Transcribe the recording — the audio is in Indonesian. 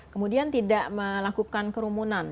kemudian tidak melakukan kerumunan